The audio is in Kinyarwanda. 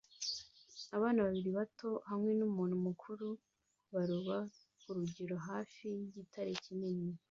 Abana babiri bato hamwe numuntu mukuru baroba kurugero hafi yigitare kinini